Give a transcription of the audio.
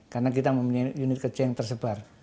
karena kita memiliki unit kerja yang tersebar